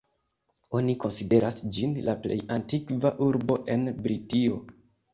Oni konsideras ĝin la plej antikva urbo en Britio.